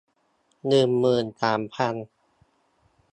หนึ่งหมื่นสามพัน